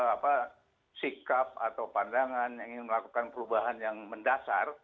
apa sikap atau pandangan yang ingin melakukan perubahan yang mendasar